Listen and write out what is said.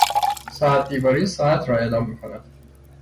ساعت دیواری ساعت را اعلام میکند.